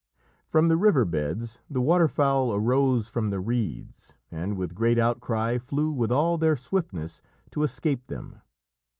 From the river beds the waterfowl arose from the reeds, and with great outcry flew with all their swiftness to escape them.